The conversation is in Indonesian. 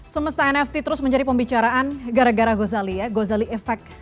semesta nft terus menjadi pembicaraan gara gara gozali ya gozali effect